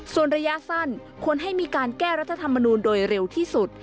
ส่วนระยะสั้นควรให้มีการแก้รัฐธรรมนูลโดยเร็วที่สุด